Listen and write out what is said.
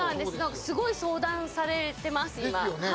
すごい相談されてます、今。